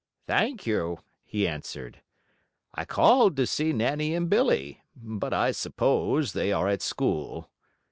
"Thank you," he answered. "I called to see Nannie and Billie. But I suppose they are at school."